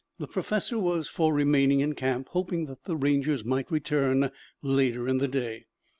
The professor was for remaining in camp, hoping that the Rangers might return later in the day.